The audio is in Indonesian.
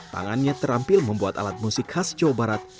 tangannya terampil membuat alat musik khas jawa barat